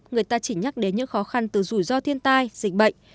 người ta chỉ nhắc đến những khó khăn từ rủi ro thiên tai dịch bệnh